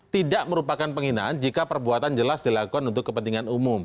tidak merupakan penghinaan jika perbuatan jelas dilakukan untuk kepentingan umum